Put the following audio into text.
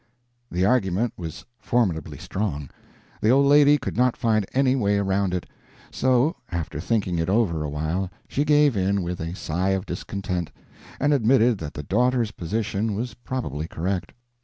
The argument was formidably strong; the old lady could not find any way around it; so, after thinking it over awhile she gave in with a sigh of discontent, and admitted that the daughter's position was probably correct.